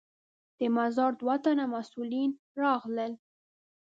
د مزار دوه تنه مسوولین راغلل.